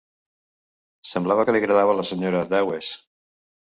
Semblava que li agradava la senyora Dawes.